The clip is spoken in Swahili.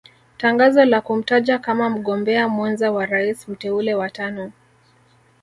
Tangazo la kumtaja kama mgombea mwenza wa rais mteule wa tano